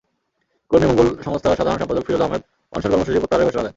কর্মী মঙ্গল সংস্থার সাধারণ সম্পাদক ফিরোজ আহমেদ অনশন কর্মসূচি প্রত্যাহারের ঘোষণা দেন।